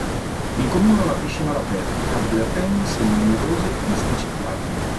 Il comune ha una piscina all'aperto, campi da tennis e numerose piste ciclabili.